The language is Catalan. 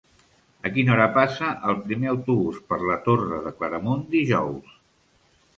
A quina hora passa el primer autobús per la Torre de Claramunt dijous?